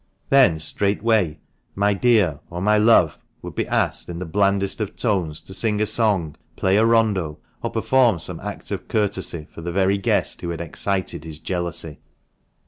Then, straightway, " my dear," or " my love," would be asked, in the blandest of tones, to sing a song, play a rondo, or perform some act of courtesy for the very guest who had excited his jealousy.